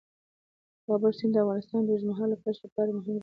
د کابل سیند د افغانستان د اوږدمهاله پایښت لپاره مهم رول لري.